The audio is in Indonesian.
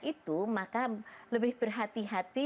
itu maka lebih berhati hati